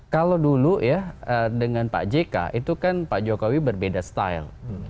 kalau dulu ya dengan pak jk itu kan pak jokowi berbeda style